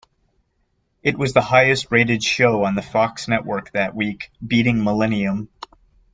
It was the highest-rated show on the Fox network that week, beating "Millennium".